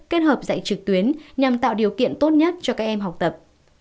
kết hợp dạy trực tuyến nhằm tạo điều kiện tốt nhất cho các em học tập